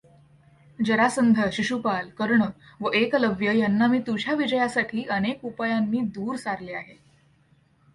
जरासंध, शिशुपाल, कर्ण व एकलव्य यांना मी तुझ्या विजयासाठी अनेक उपायांनी दूर सारले आहे.